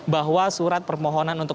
bahwa surat permohonan untuk